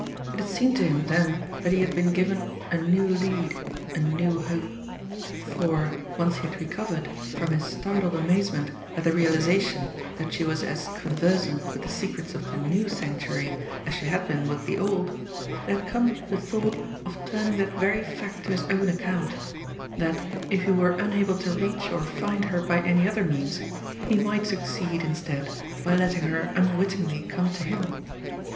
It had seemed to him then that he had been given a new lead, a new hope; for, once he had recovered from his startled amazement at the realisation that she was as conversant with the secrets of the new Sanctuary as she had been with the old, there had come the thought of turning that very fact to his own account that if he were unable to reach or find her by any other means, he might succeed, instead, by letting her unwittingly come to him.